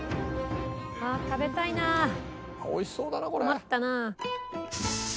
困ったなあ。